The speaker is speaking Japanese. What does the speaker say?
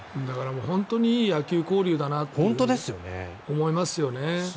本当にいい野球交流だなと思いますよね。